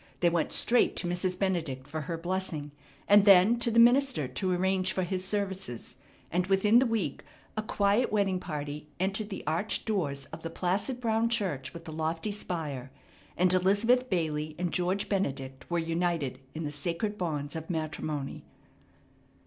They went straight to Mrs. Benedict for her blessing, and then to the minister to arrange for his services; and within the week a quiet wedding party entered the arched doors of the placid brown church with the lofty spire, and Elizabeth Bailey and George Benedict were united in the sacred bonds of matrimony.